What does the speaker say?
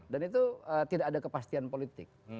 dan itu tidak ada kepastian politik